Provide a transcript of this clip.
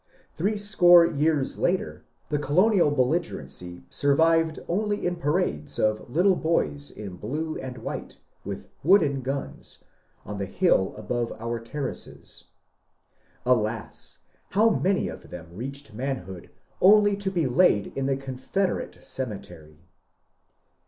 Threescore years laftr the colonial belligerency survived only in parades of little boys in blue and white, with wooden guns, on the hill 12 MONCURE DANIEL CONWAY above our terraces. Alas, bow many of tbem reacbed man bood only to be laid in tbe Confederate cemetery